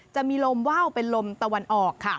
จะมีลมว่าวเป็นลมตะวันออกค่ะ